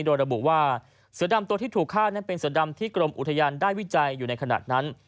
โดยระบุว่าเสือดำตัวที่ถูกฆ่านั้นเป็นเสือดำที่กรมอุทยานได้วิจัยอยู่ในขณะนั้น